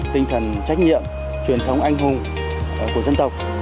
tinh thần trách nhiệm truyền thống anh hùng của dân tộc